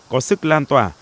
có sức lan tỏa